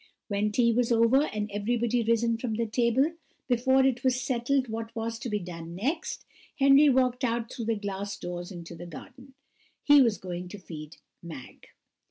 When tea was over, and everybody risen from the table, before it was settled what was to be done next, Henry walked out through the glass doors into the garden he was going to feed Mag.